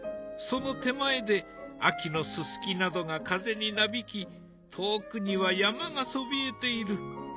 その手前で秋のススキなどが風になびき遠くには山がそびえている。